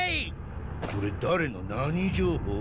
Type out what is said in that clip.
それ誰の何情報？